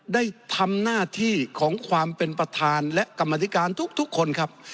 ได้ทำหน้าที่ของความเป็นประธานและกรรมธิการทุกคนครับ